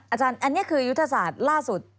อาจารย์อันนี้คือยุทธศาสตร์ล่าสุด